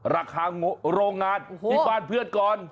โรงงานที่บ้านเพื่อนก่อน